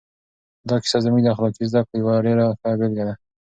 دا کیسه زموږ د اخلاقي زده کړو یوه ډېره ښه بېلګه ده.